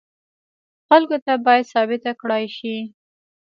خلکو ته باید ثابته کړای شي.